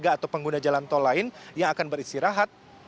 dan warga atau pengguna jalan tol lain yang akan beristirahat